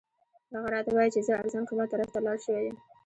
هغه راته وایي چې زه ارزان قیمت طرف ته لاړ شوی یم.